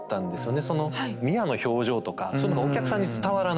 ミアの表情とかそういうのがお客さんに伝わらない。